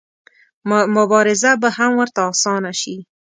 مبارزه به هم ورته اسانه شي.